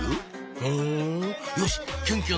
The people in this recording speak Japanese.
ふんよしキュンキュン